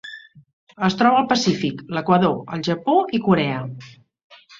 Es troba al Pacífic: l'Equador, el Japó i Corea.